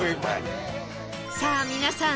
さあ皆さん